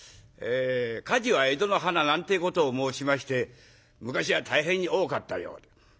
「火事は江戸の華」なんてえことを申しまして昔は大変に多かったようで。